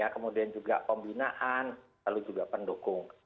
kemudian juga pembinaan lalu juga pendukung